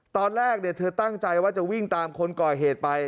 ตอนแรกเธอตั้งใจว่าจะวิ่งตามคนก่อเหตุไป